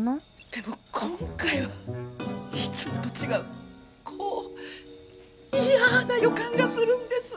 でも今回はいつもと違うこう嫌な予感がするんです！